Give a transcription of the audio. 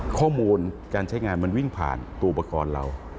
ข้อมูลการใช้งานมันวิ่งผ่านตัวอุปกรณ์เรา